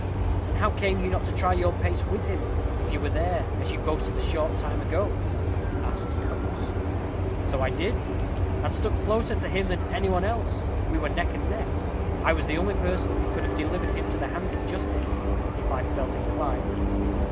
"And how came you not to try your pace with him, if you were there, as you boasted a short time ago?" asked Coates. "So I did, and stuck closer to him than any one else. We were neck and neck. I was the only person who could have delivered him to the hands of justice, if I'd felt inclined."